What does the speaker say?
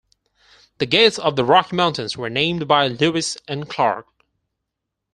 The Gates of the Rocky Mountains were named by Lewis and Clark.